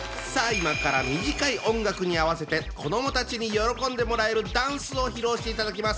今から短い音楽に合わせて子どもたちに喜んでもらえるダンスを披露していただきます。